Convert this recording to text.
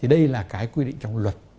đây là quy định trong luật